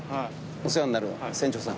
お世話になる船長さん。